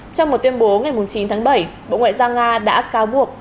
trong một tuyên bố ngày chín tháng bảy bộ ngoại giao nga đã cáo buộc